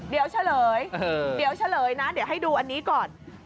เดียวเฉลยนะเดี๋ยวให้ดูอันนี้ก่อน